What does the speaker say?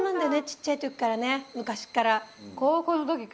小っちゃい時からね昔っから。